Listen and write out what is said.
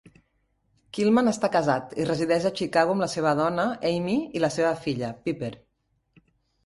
Kilman està casat i resideix a Chicago amb la seva dona, Aimee, i la seva filla, Piper.